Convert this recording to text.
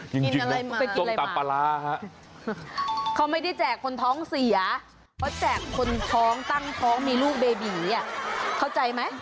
ไปกินอะไรมาเขาไม่ได้แจกคนท้องเสียเขาแจกคนท้องตั้งท้องมีลูกเบบีอ่ะเข้าใจไหม